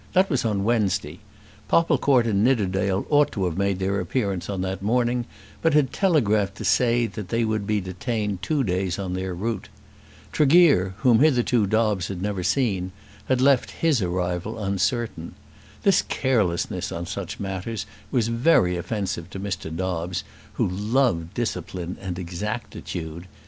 That was on Wednesday. Popplecourt and Nidderdale ought to have made their appearance on that morning, but had telegraphed to say that they would be detained two days on their route. Tregear, whom hitherto Dobbes had never seen, had left his arrival uncertain. This carelessness on such matters was very offensive to Mr. Dobbes, who loved discipline and exactitude.